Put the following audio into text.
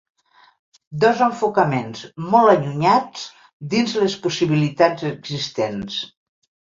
Dos enfocaments molt allunyats dins les possibilitats existents.